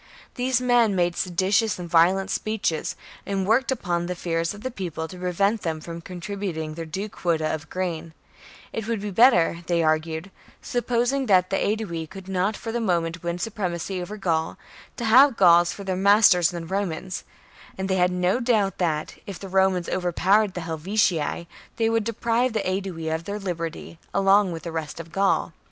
These men made seditious and violent speeches, and worked upon the fears of the people to prevent them from contributing their due quota of grain. It would be better, they argued, supposing that the Aedui could not for the moment win supremacy over Gaul, to 1 Caesar's Conquest of Gaul , pp. 517 19. I HELVETII AND ARIOVISTUS 15 have Gauls for their masters than Romans ; and 58 b.c. they had no doubt that, if the Romans over powered the Helvetii, they would deprive the Aedui of their liberty, along with the rest of Gaul.